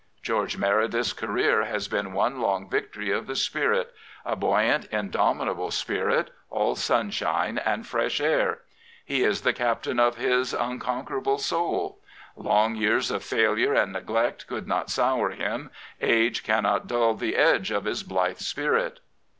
George Meredith's career has been one long victory of the spirit — a buoyant, indomitable spirit, all sunshine and fresh air. He is the captain of his unconquerable soul. Long years of failure and neglect could not sour him; age cannot dull the edge of his blithe spirit.